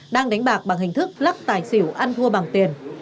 đang đánh bạc bằng hình thức lắc tài xỉu ăn thua bằng tiền